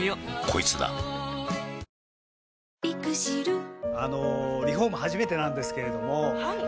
コイツだあのリフォーム初めてなんですけれどもはい。